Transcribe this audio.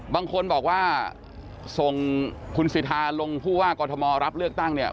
บางคนบอกว่าส่งคุณสิทธาลงผู้ว่ากรทมรับเลือกตั้งเนี่ย